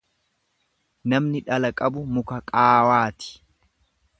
Namni dhala qabu muka qaawaati.